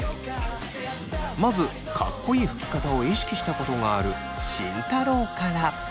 まずかっこいいふき方を意識したことがある慎太郎から。